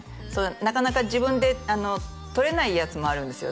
なかなか自分でとれないやつもあるんですよ